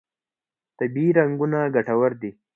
طبیعي رنګونه ګټور دي.